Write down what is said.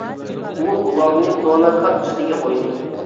ئۇ ئۇلارنى كونا كات ئۈستىگە قويدى.